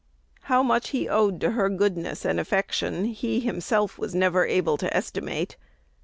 How much he owed to her goodness and affection, he was himself never able to estimate.